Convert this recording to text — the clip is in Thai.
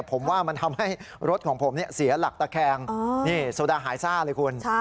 ผมว่ามันทำให้รถของผมเสียหลักตะแคงนี่โซดาหายซ่าเลยคุณ